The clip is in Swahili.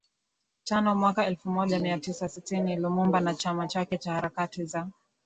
tano mwaka elfu moja mia tisa sitini Lumumba na chama chake cha harakati za